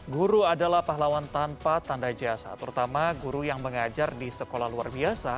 guru adalah pahlawan tanpa tanda jasa terutama guru yang mengajar di sekolah luar biasa